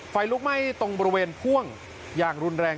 ไฟลุกไหม้ตรงบริเวณพ่วงอย่างรุนแรง